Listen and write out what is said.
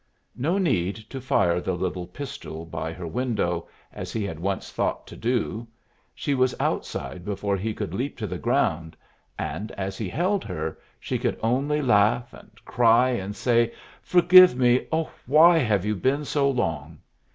No need to fire the little pistol by her window, as he had once thought to do! She was outside before he could leap to the ground. And as he held her, she could only laugh, and cry, and say "Forgive me! Oh, why have you been so long?"